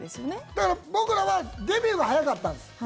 だから、僕らはデビューが早かったんです。